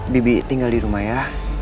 bibi tinggal di rumah ya